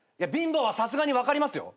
貧乏はさすがに分かります。